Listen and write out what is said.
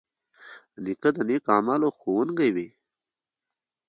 نیکه د نیک عملونو ښوونکی وي.